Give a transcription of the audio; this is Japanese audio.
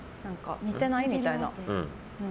似てない？みたいな。